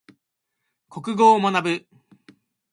国語を学ぶ。